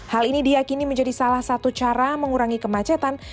hal ini diakini menjadi salah satu cara mengurangi kemacetan